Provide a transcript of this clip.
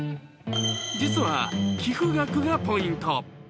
実は寄付額がポイント。